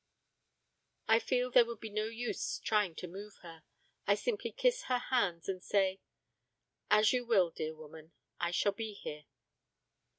I feel there would be no use trying to move her, I simply kiss her hands and say: 'As you will, dear woman, I shall be here.'